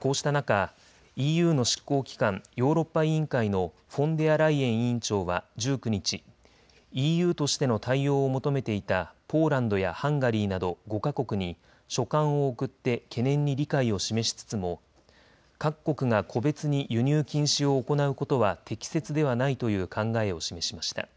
こうした中、ＥＵの執行機関、ヨーロッパ委員会のフォンデアライエン委員長は１９日、ＥＵとしての対応を求めていたポーランドやハンガリーなど５か国に書簡を送って懸念に理解を示しつつも各国が個別に輸入禁止を行うことは適切ではないという考えを示しました。